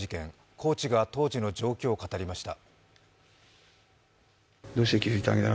コーチが当時の状況を語りました。